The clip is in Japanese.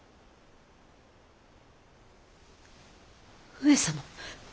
上様。